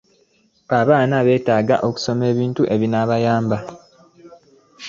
abaana beetaaga okusoma ebintu ebinabayamba